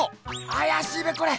あやしいべこれ！